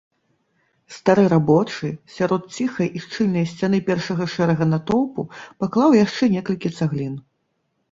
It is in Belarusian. Стары рабочы, сярод ціхай і шчыльнай сцяны першага шэрага натоўпу, паклаў яшчэ некалькі цаглін.